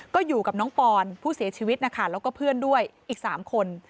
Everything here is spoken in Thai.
ก็อยู่กับน้องปอนผู้เสียชีวิตนะคะแล้วก็เพื่อนด้วยอีก๓คน